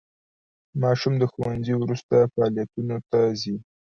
ماشوم د ښوونځي وروسته فعالیتونو ته ځي.